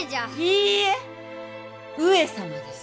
いいえ上様です。